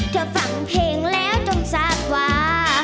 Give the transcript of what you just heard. เธอฟังเพลงแล้วจงซากวา